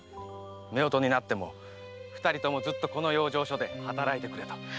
夫婦になっても二人ともずっとこの養生所で働いてくれと。